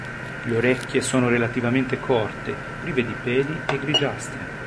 Le orecchie sono relativamente corte, prive di peli e grigiastre.